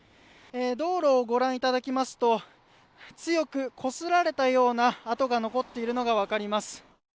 道路をご覧いただきますと、強くこすられたような跡が残っているのがわかります。